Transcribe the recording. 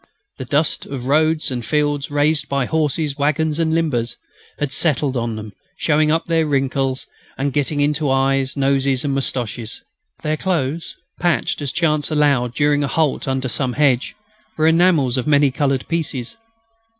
The dust of roads and fields, raised by horses, waggons, and limbers, had settled on them, showing up their wrinkles and getting into eyes, noses, and moustaches. Their clothes, patched as chance allowed during a halt under some hedge, were enamels of many coloured pieces.